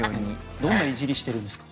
どんないじりをしているんですか？